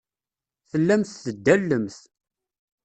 Tellamt teddalemt.